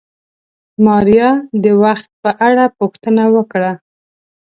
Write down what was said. ماريا د وخت په اړه پوښتنه وکړه.